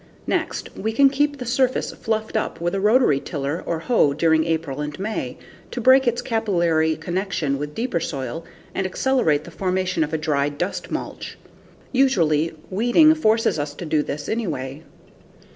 Next, we can keep the surface fluffed up with a rotary tiller or hoe during April and May, to break its capillary connection with deeper soil and accelerate the formation of a dry dust mulch. Usually, weeding forces us to do this anyway.